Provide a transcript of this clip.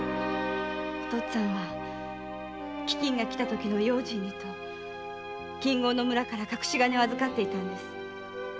お父っつぁんは飢饉がきたときの用心にと近郷の村から隠し金を預かっていたんです。